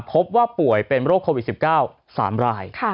พบว่าป่วยเป็นโรคโควิด๑๙๓ราย